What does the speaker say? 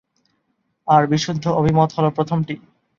আর বিশুদ্ধ অভিমত হ’ল প্রথমটি’।